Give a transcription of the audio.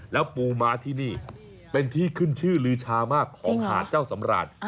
แล้วปูม้าที่นี่เป็นที่ขึ้นชื่อลือชามากของหาดเจ้าสำราญ